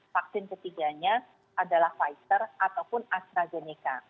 vaksin ketiganya adalah pfizer ataupun astrazeneca